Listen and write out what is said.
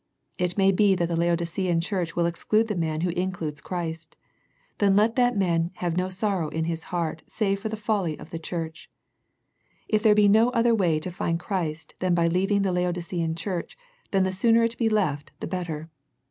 It may be that the Laodicean church will exclude the man who includes the Christ. Then let that man have no sorrow in his heart save for the folly of the church. If there be no other way to find Christ than by leaving the Laodicean church then the sooner it be left, the better.